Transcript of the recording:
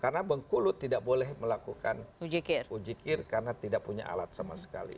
karena bengkulu tidak boleh melakukan ujikir karena tidak punya alat sama sekali